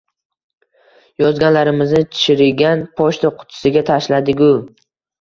Yozganlarimizni chirigan pochta qutisiga tashladigu